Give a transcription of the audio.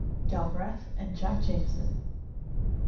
Galbreath and Jack Jamison.